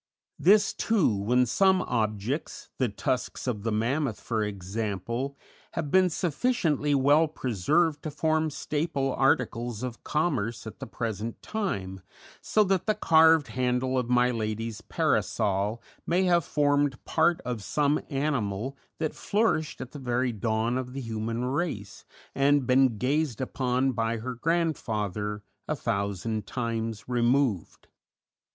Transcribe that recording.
This, too, when some objects the tusks of the Mammoth, for example have been sufficiently well preserved to form staple articles of commerce at the present time, so that the carved handle of my lady's parasol may have formed part of some animal that flourished at the very dawn of the human race, and been gazed upon by her grandfather a thousand times removed.